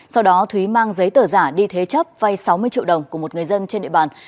sau đó thúy mang giấy tờ giả đi thế chấp vay sáu mươi triệu đồng của một người dân trên địa bàn